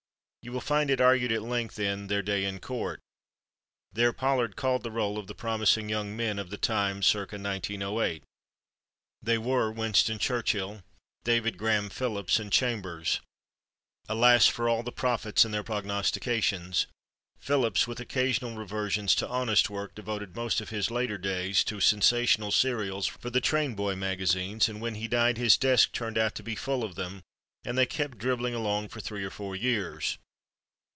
You will find it argued at length in "Their Day in Court." There Pollard called the roll of the "promising young men" of the time, circa 1908. They were Winston Churchill, David Graham Phillips—and Chambers! Alas, for all prophets and their prognostications! Phillips, with occasional reversions to honest work, devoted most of his later days to sensational serials for the train boy magazines, and when he died his desk turned out to be full of them, and they kept dribbling along for three or four years.